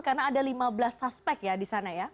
karena ada lima belas suspek ya di sana ya